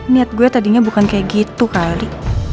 niat gue tadinya bukan kayak gitu kali